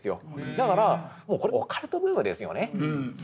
だからこれもうオカルトブームですよね。